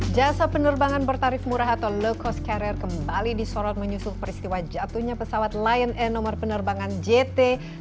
jasa penerbangan bertarif murah atau low cost carrier kembali disorot menyusul peristiwa jatuhnya pesawat lion air nomor penerbangan jt enam ratus sepuluh